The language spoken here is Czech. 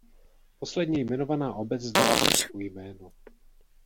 Posledně jmenovaná obec dala potoku jméno.